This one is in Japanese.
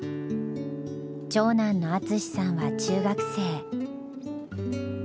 長男の淳さんは中学生。